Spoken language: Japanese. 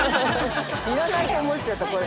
◆要らないと思っちゃった、これ。